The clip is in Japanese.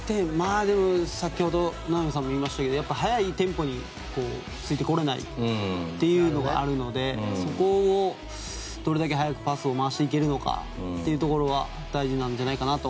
でも先ほど名波さんも言いましたけどやっぱり速いテンポについてこれないというのがあるのでそこをどれだけ速くパスを回していけるのかどうかというところは大事なんじゃないかなと。